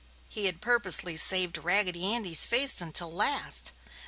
He had purposely saved Raggedy Andy's face until the last.